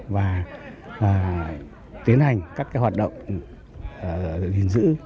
và tiến hành các hoạt động